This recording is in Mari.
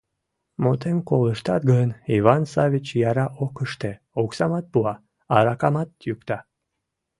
Мутем колыштат гын, Иван Саввич яра ок ыште: оксамат пуа, аракамат йӱкта.